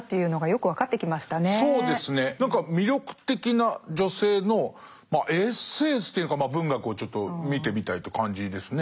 何か魅力的な女性のエッセンスというのかまあ文学をちょっと見てみたいって感じですね。